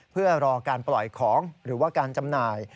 เพื่อรอการปล่อยของหรือว่าการจำหน่าย